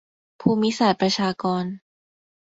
ภูมิศาสตร์ประชากร